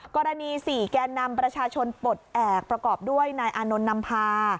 กรณี๔แกนนำประชาชนปลดแอบประกอบด้วยนายอานนท์นำพา